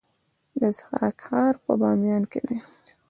د ضحاک ښار په بامیان کې دی